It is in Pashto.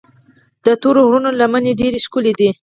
د تورو غرونو لمنې ډېرې ښکلي دي.